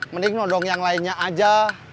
mending nodong yang lainnya aja